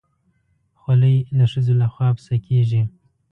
خولۍ د ښځو لخوا پسه کېږي.